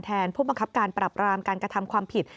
ผู้บังคับการปรับรามการกระทำความผิด